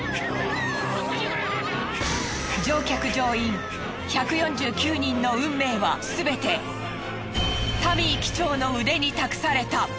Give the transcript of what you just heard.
乗客乗員１４９人の運命はすべてタミー機長の腕に託された。